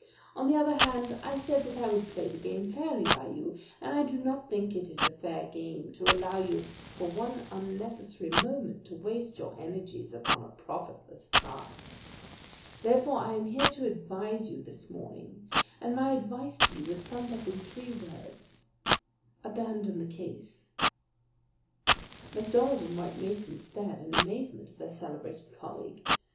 On the other hand, I said that I would play the game fairly by you, and I do not think it is a fair game to allow you for one unnecessary moment to waste your energies upon a profitless task. Therefore I am here to advise you this morning, and my advice to you is summed up in three words abandon the case." MacDonald and White Mason stared in amazement at their celebrated colleague.